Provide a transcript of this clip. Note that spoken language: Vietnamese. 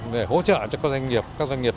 để hỗ trợ cho các doanh nghiệp